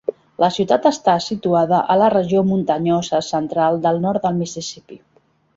La ciutat està situada a la regió muntanyosa central del nord de Mississippi.